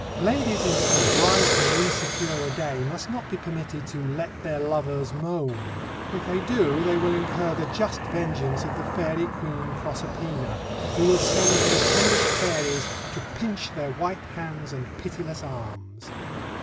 Ladies in so bright and insecure a day must not be permitted to "let their lovers moan." If they do, they will incur the just vengeance of the Fairy Queen Proserpina, who will send her attendant fairies to pinch their white hands and pitiless arms.